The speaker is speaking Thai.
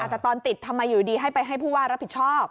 แต่ตอนติดทำไมอยู่ดีให้ไปให้ผู้ว่ารับผิดชอบ